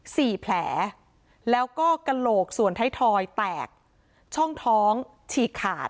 สี่แผลแล้วก็กระโหลกส่วนท้ายทอยแตกช่องท้องฉีกขาด